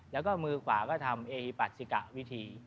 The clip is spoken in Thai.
แล้วก็มือขวาก็ทำเอปัสิกะวิธี